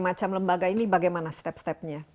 macam lembaga ini bagaimana step step nya